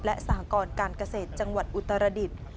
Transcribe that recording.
และสหกรการเกษตรจังหวัดอุตรดิษฐ์